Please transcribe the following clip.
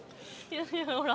ほら。